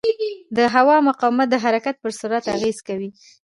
د هوا مقاومت د حرکت پر سرعت اغېز کوي.